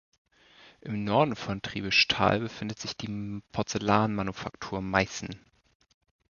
Im Norden von Triebischtal befindet sich die Porzellanmanufaktur Meißen.